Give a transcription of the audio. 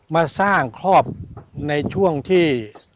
มาสร้างครอบในช่วงที่